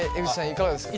いかがですか？